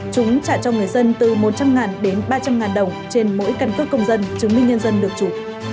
chúng trả cho người dân từ một trăm linh đến ba trăm linh đồng trên mỗi căn cước công dân chứng minh nhân dân được chủ